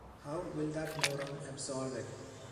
How will that moron absolve it?